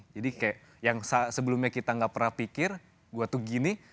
jadi kayak yang sebelumnya kita gak pernah pikir gue tuh gini